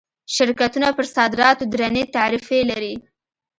شرکتونه پر صادراتو درنې تعرفې لري.